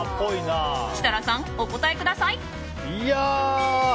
設楽さん、お答えください。